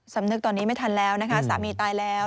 สำนึกตอนนี้ไม่ทันแล้วนะคะสามีตายแล้ว